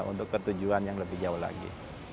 untuk ketujuan yang lebih jauh lagi